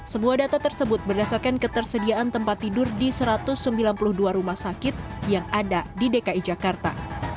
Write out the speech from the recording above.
semua data tersebut berdasarkan ketersediaan tempat tidur di satu ratus sembilan puluh dua rumah sakit yang ada di dki jakarta